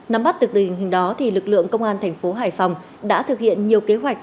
nắm bắt được tình hình đó lực lượng công an thành phố hải phòng đã thực hiện nhiều kế hoạch